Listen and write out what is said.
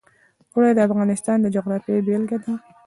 اوړي د افغانستان د جغرافیې بېلګه ده.